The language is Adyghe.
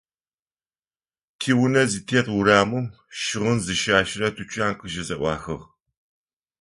Тиунэ зытет урамым щыгъын зыщащэрэ тучан къыщызэӀуахыгъ.